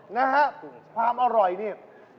นะฮะความอร่อยเนี่ย